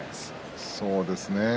そうですね。